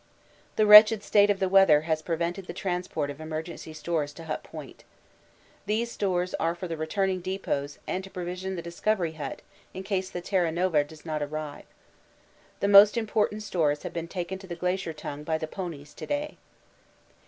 The wretched state of the weather has prevented the transport of emergency stores to Hut Point. These stores are for the returning depots and to provision the Discovery hut in case the Terra Nova does not arrive. The most important stores have been taken to the Glacier Tongue by the ponies to day.